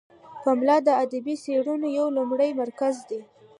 پملا د ادبي څیړنو یو لومړی مرکز دی.